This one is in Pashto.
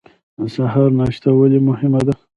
د سهار ناشته ولې مهمه ده؟